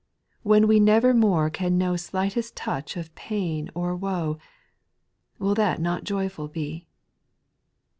When we never more can know Slightest touch of pain or woe. Will that not joyful be